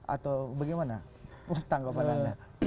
atau bagaimana tanggapan anda